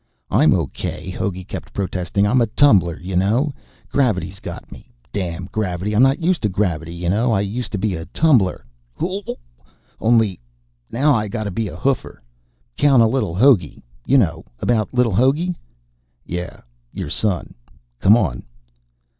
"I'm okay," Hogey kept protesting. "I'm a tumbler, ya know? Gravity's got me. Damn gravity. I'm not used to gravity, ya know? I used to be a tumbler huk! only now I gotta be a hoofer. 'Count of li'l Hogey. You know about li'l Hogey?" "Yeah. Your son. Come on."